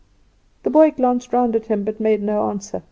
The boy glanced round at him, but made no answer.